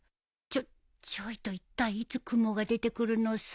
ちょちょいといったいいつクモが出てくるのさ。